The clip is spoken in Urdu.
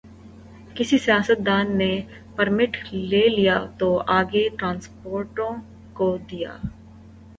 کسی سیاستدان نے پرمٹ لے لیا تو آگے ٹرانسپورٹروں کو دیا۔